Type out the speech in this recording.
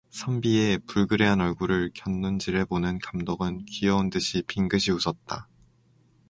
선비의 불그레한 얼굴을 곁눈질해 보는 감독은 귀여운 듯이 빙긋이 웃었다.